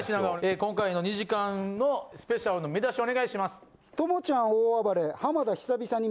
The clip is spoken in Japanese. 今回の２時間のＳＰの見出しお願いします。